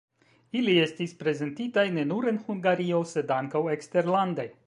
Ili estis prezentitaj ne nur en Hungario, sed ankaŭ eksterlande.